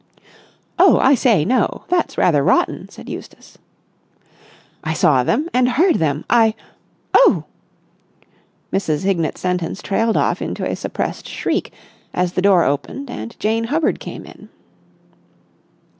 "Oh, I say, no! That's rather rotten!" said Eustace. "I saw them and heard them! I—oh!" Mrs. Hignett's sentence trailed off into a suppressed shriek, as the door opened and Jane Hubbard came in.